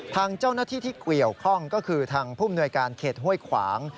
ทางเจ้าหน้าที่ที่เกี่ยวข้องก็คือทางผู้มนวยการเขตห้วยขวาง